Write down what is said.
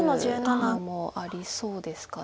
ありそうですか。